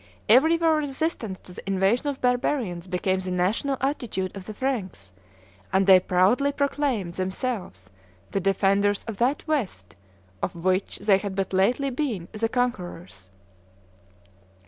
Everywhere resistance to the invasion of barbarians became the national attitude of the Franks, and they proudly proclaimed themselves the defenders of that West of which they had but lately been the conquerors.